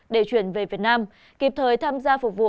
để chuyển về việt nam kịp thời tham gia phục vụ